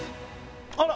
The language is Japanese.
あら！